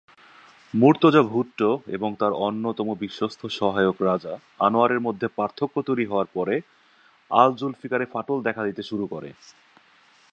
মুর্তজা ভুট্টো এবং তার অন্যতম বিশ্বস্ত সহায়ক রাজা আনোয়ারের মধ্যে পার্থক্য তৈরি হওয়ার পরে আল-জুলফিকারে ফাটল দেখা দিতে শুরু করে।